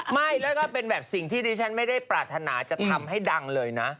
ไม่แล้วก็เป็นแบบสิ่งที่ดิฉันไม่ได้ปรารถนาจะทำให้ดังเลยนะ